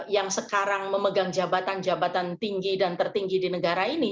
yang sekarang memegang jabatan jabatan tinggi dan tertinggi di negara ini